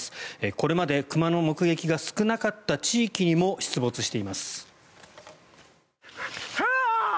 これまで熊の目撃が少なかった地域にも出没しています。